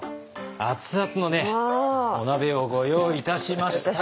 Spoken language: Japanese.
熱々のねお鍋をご用意いたしました。